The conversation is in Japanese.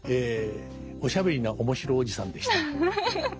「おしゃべりな面白おじさん」でした。